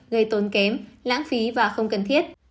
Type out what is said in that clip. gây tốn kém lãng phí và không cần thiết